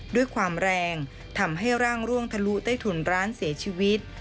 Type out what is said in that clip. ด้วยความแรงทำให้ร่างร่วงทะลุใต้ถุนร้านเสียชีวิต